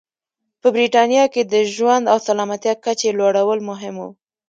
په برېټانیا کې د ژوند او سلامتیا کچې لوړول مهم و.